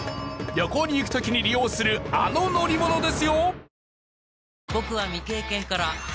旅行に行く時に利用するあの乗り物ですよ！